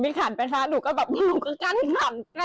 ขันไปท้าหนูก็แบบหนูก็กั้นขัน